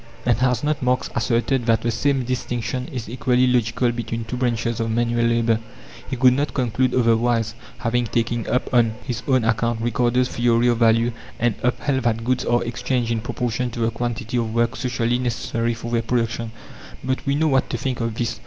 And has not Marx asserted that the same distinction is equally logical between two branches of manual labour? He could not conclude otherwise, having taken up on his own account Ricardo's theory of value, and upheld that goods are exchanged in proportion to the quantity of work socially necessary for their production. But we know what to think of this.